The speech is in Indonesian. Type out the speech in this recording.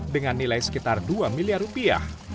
dengan nilai sekitar dua miliar rupiah